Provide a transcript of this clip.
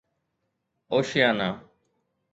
Oceania